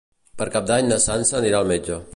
Per Cap d'Any na Sança anirà al metge.